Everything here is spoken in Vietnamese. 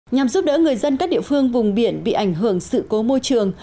nhằm giúp đỡ người dân các địa phương vùng biển bị ảnh hưởng sự cố môi trường